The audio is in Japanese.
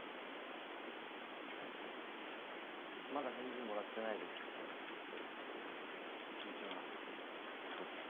まだ返事もらってないですけど気持ちはそうです